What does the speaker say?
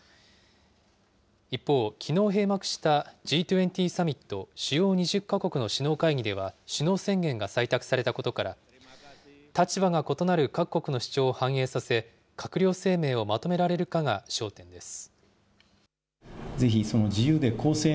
一方、きのう閉幕したＧ２０サミット・主要２０か国の首脳会議では、首脳宣言が採択されたことから、立場が異なる各国の主張を反映させ、閣僚声明をまとめられるかが焦点です。